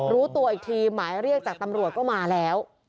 รู้ตัวอีกทีหมายเรียกจากตำรวจก็มาแล้ว